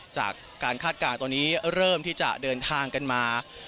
คาดการณ์ตอนนี้เริ่มที่จะเดินทางกันมา